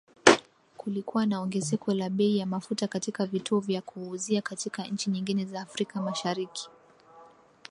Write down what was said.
Kulikuwa na ongezeko la bei ya mafuta katika vituo vya kuuzia katika nchi nyingine za Afrika Mashariki